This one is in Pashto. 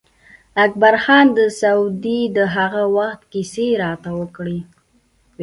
اکبر خان د سعودي د هغه وخت کیسې راته وکړې.